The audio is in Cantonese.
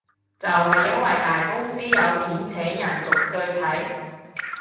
就係因為大公司有錢請人逐句睇